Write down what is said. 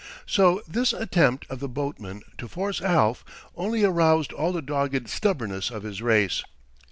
So this attempt of the boatmen to force Alf only aroused all the dogged stubbornness of his race.